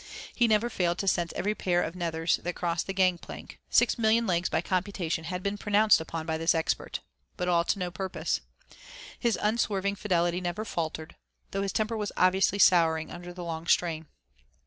He never failed to sense every pair of nethers that crossed the gangplank 6,000,000 legs by computation had been pronounced upon by this expert. But all to no purpose. His unswerving fidelity never faltered, though his temper was obviously souring under the long strain.